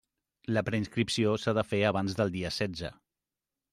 La preinscripció s'ha de fer abans del dia setze.